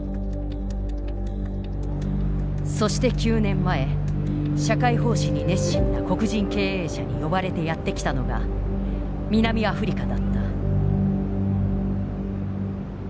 そして９年前社会奉仕に熱心な黒人経営者に呼ばれてやって来たのが南アフリカだった。